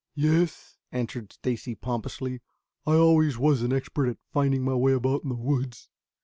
"Yes," answered Stacy pompously. "I always was an expert at finding my way about in the woods."